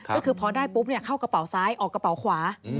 ก็คือพอได้ปุ๊บเข้ากระเป๋าซ้ายออกกระเป๋าขวา